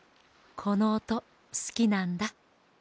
このおとすきなんだ。